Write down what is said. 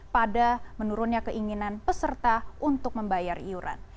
pada menurunnya keinginan peserta untuk membayar iuran